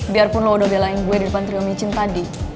biarpun lo udah belain gue di depan trio michain tadi